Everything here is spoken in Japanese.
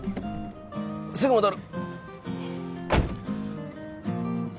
すぐ戻る。